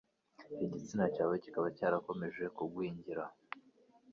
igitsina cyawe kikaba cyarakomeje kugwingira